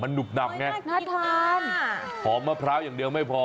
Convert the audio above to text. มันนุ่มนับไงอร่อยมากกินมากหอมมะพร้าวอย่างเดียวไม่พอ